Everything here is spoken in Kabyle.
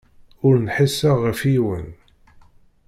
Ur nḥiseɣ ɣef yiwen!